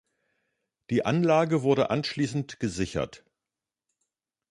Die Anlage wurde anschließend gesichert.